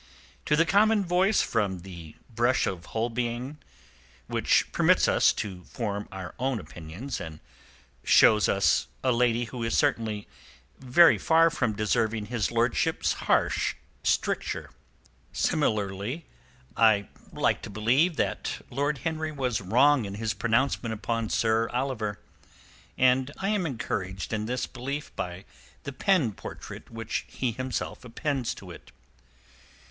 To the common voice from the brush of Holbein, which permits us to form our own opinions and shows us a lady who is certainly very far from deserving his lordship's harsh stricture. Similarly, I like to believe that Lord Henry was wrong in his pronouncement upon Sir Oliver, and I am encouraged in this belief by the pen portrait which he himself appends to it.